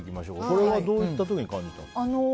これはどういった時に感じるんですか？